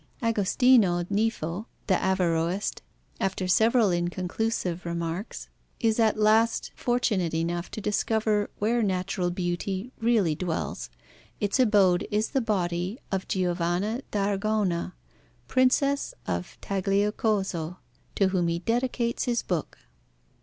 Agostino Nifo, the Averroist, after some inconclusive remarks, is at last fortunate enough to discover where natural beauty really dwells: its abode is the body of Giovanna d'Aragona, Princess of Tagliacozzo, to whom he dedicates his book.